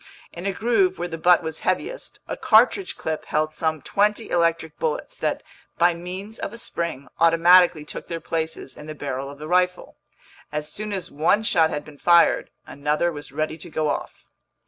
In a groove where the butt was heaviest, a cartridge clip held some twenty electric bullets that, by means of a spring, automatically took their places in the barrel of the rifle. As soon as one shot had been fired, another was ready to go off.